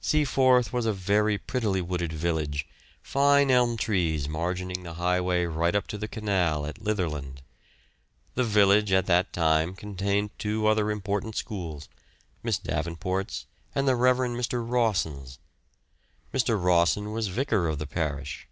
Seaforth was a very prettily wooded village, fine elm trees margining the highway right up to the canal at Litherland. The village at that time contained two other important schools, Miss Davenport's and the Rev. Mr. Rawson's. Mr. Rawson was Vicar of the Parish.